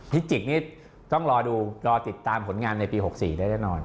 พิจิกนี่ต้องรอดูรอติดตามผลงานในปี๖๔ได้แน่นอน